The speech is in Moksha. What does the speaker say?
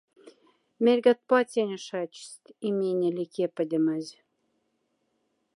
Мярьгат, пацяне шачсть и менели кеподемазь.